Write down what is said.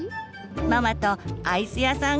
ママとアイス屋さん